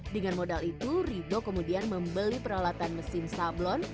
dengan modal itu rido kemudian membeli peralatan mesin sablon